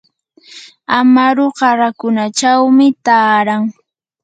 amaru qarakunachawmi taaran.